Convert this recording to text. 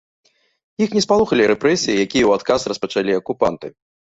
Іх не спалохалі рэпрэсіі, якія ў адказ распачалі акупанты.